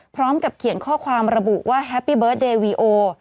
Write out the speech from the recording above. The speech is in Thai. พร้อมกับเขียนข้อความระบุว่าแฮปปี้เบิร์ตเดย์วีโอ